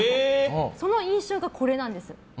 その印象がこれなんですよ。